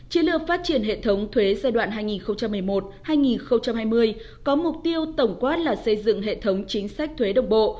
chiến lược phát triển hệ thống thuế giai đoạn hai nghìn một mươi một hai nghìn hai mươi có mục tiêu tổng quát là xây dựng hệ thống chính sách thuế đồng bộ